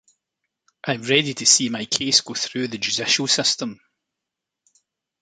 I am ready to see my case go through the judicial system.